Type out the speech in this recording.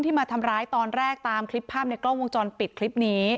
มาทำร้ายตอนแรกตามคลิปภาพในกล้องวงจรปิดคลิปนี้